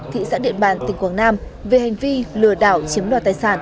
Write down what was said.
thị xã điện bàn tỉnh quảng nam về hành vi lừa đảo chiếm đoạt tài sản